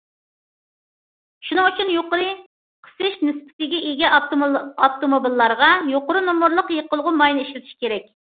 شۇنىڭ ئۈچۈن يۇقىرى قىسىش نىسبىتىگە ئىگە ئاپتوموبىللارغا يۇقىرى نومۇرلۇق يېقىلغۇ ماينى ئىشلىتىش كېرەك.